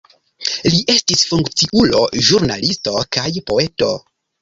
Li estis funkciulo, ĵurnalisto kaj poeto.